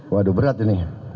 waduh berat ini